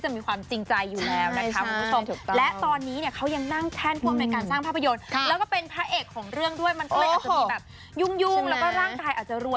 มันก็เลยอาจจะมีแบบยุ่งแล้วก็ร่างกายอาจจะรวน